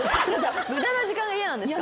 無駄な時間が嫌なんですか？